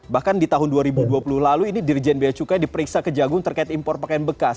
bahkan di tahun dua ribu dua puluh lalu ini dirjen beacukai diperiksa ke jagung terkait impor pakaian bekas